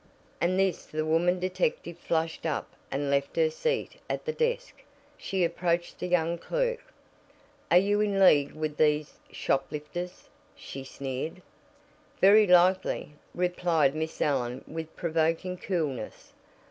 At this the woman detective flushed up and left her seat at the desk. She approached the young clerk. "Are you in league with these shoplifters?" she sneered. "Very likely," replied Miss Allen with provoking coolness.